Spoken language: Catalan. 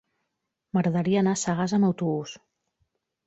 M'agradaria anar a Sagàs amb autobús.